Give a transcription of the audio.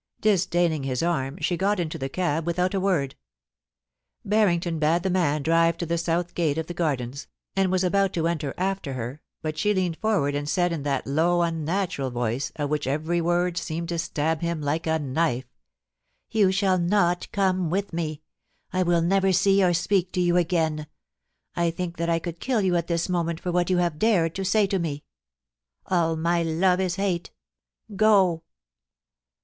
Disdaining his arm, she got into the cab without a word. Barrington bade the man drive to the south gate of the Gardens, and was about to enter after her, but she leaned forward and said in that low unnatural voice, of which every word seemed to stab him like a knife : 'You shall not come with me. I wDl never see or speak to you again. I think that I could kill you at this moment for what you have dared to say to me. All my love is hate, Co!'